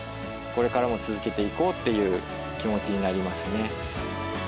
これからも続けていこうっていう気持ちになりますね。